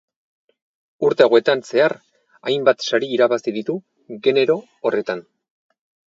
Urte hauetan zehar hainbat sari irabazi ditu genero horretan.